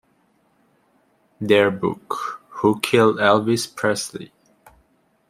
Their book, Who Killed Elvis Presley?